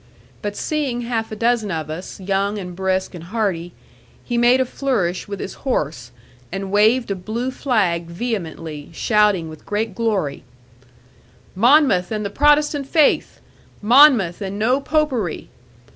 But seeing half a dozen of us, young, and brisk, and hearty, he made a flourish with his horse, and waved a blue flag vehemently, shouting with great glory, 'Monmouth and the Protestant faith! Monmouth and no Popery!